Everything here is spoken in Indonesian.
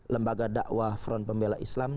lembaga dakwah front pembela islam